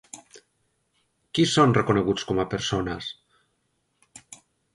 Qui són reconeguts com a persones?